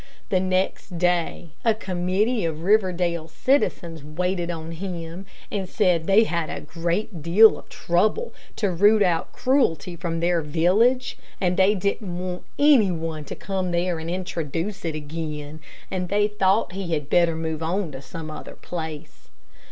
The next day a committee of Riverdale citizens waited on him, and said they had had a great deal of trouble to root out cruelty from their village, and they didn't want any one to come there and introduce it again, and they thought he had better move on to some other place.